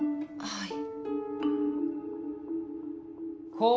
はい。